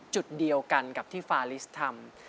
จุดเดียวกันกับที่ฟาลิสทำ